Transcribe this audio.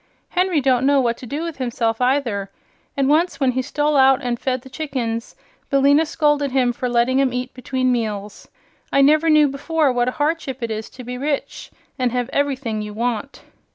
Henry don't know what to do with himself either, and once when he stole out an' fed the chickens Billina scolded him for letting 'em eat between meals. I never knew before what a hardship it is to be rich and have everything you want."